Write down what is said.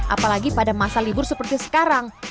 apalagi pada masa libur seperti sekarang